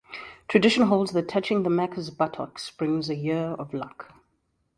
Tradition holds that touching the Maca's buttocks brings a year of luck.